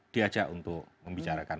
diajak untuk membicarakan